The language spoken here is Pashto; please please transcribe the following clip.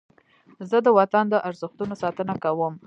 زه د وطن د ارزښتونو ساتنه کوم.